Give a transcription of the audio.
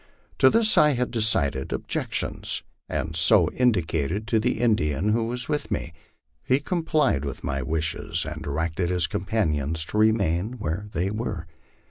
To this I had decided objections, and so indicated to the Indian who was with me. lie complied with my wishes, and directed his companions to remain where they were.